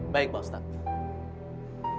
baik pak ustadz